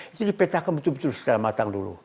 itu dipetakan betul betul secara matang dulu